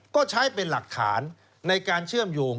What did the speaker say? ก็ใช้เป็นหลักฐานในการเชื่อมโยง